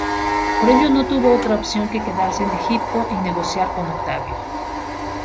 Por ello no tuvo otra opción que quedarse en Egipto y negociar con Octavio.